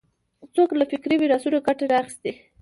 څوک له فکري میراثونو ګټه نه اخیستی